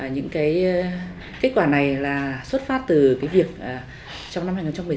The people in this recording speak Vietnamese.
những kết quả này xuất phát từ việc trong năm hai nghìn một mươi sáu